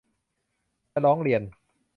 จะร้องเรียน